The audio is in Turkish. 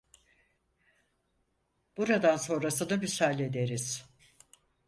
Buradan sonrasını biz hallederiz.